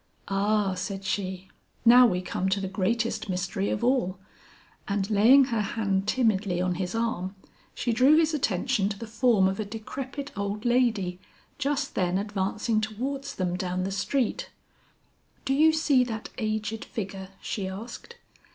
"Ah," said she, "now we come to the greatest mystery of all." And laying her hand timidly on his arm, she drew his attention to the form of a decrepit old lady just then advancing towards them down the street "Do you see that aged figure?" she asked.